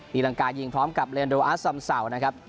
ตีรังกายิงพร้อมกับเร็อนโดว่าสำเสานะครับ